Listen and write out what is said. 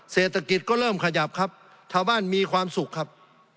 เศรษฐกิจก็เริ่มขยับครับชาวบ้านมีความสุขครับ